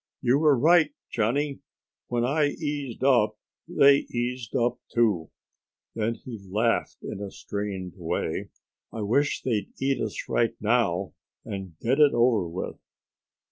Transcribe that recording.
"You were right, Johnny. When I eased up they eased up, too." Then he laughed in a strained way. "I wish they'd eat us right now and get it over with."